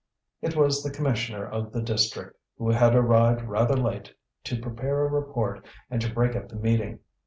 It was the commissioner of the district, who had arrived rather late to prepare a report and to break up the meeting.